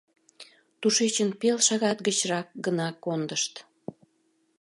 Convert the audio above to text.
Тушечын пел шагат гычрак гына кондышт.